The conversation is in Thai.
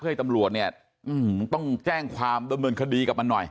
เผื่อยตำรวจเนี้ยหือต้องแจ้งความดำเมินคดีกับมันหน่อย